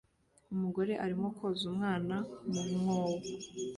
Umugore arimo koza umwana mumwobo